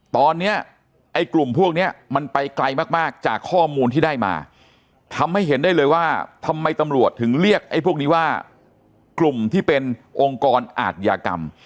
ตอนนี้ไอ้กลุ่มพวกนี้มันไปไกลมากจากข้อมูลที่ได้มาทำให้เห็นได้เลยว่าทำไมตำรวจถึงเรียกไอ้พวกนี้ว่ากลุ่มที่เป็นองค์กรอาทยากรรม